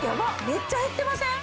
めっちゃ減ってません？